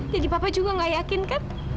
jadi papa juga gak yakin kan